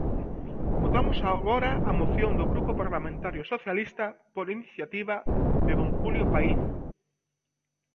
Votamos agora a moción do Grupo Parlamentario Socialista, por iniciativa de don Julio Paíño.